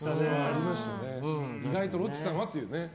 意外とロッチさんはっていうね。